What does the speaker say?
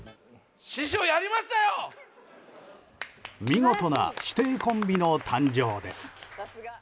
見事な師弟コンビの誕生です。